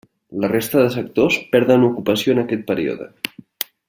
La resta de sectors perden ocupació en aquest període.